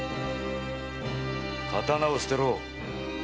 刀を捨てろ。